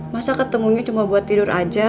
masa ketemunya cuma buat tidur aja